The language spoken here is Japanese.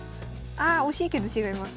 あ惜しいけど違います。